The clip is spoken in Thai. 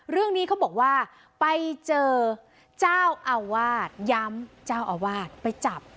เรื่องนี้เขาบอกว่าไปเจอเจ้าอาวาสย้ำเจ้าอาวาสไปจับ